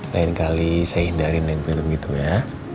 lain kali saya hindarin yang begitu begitu ya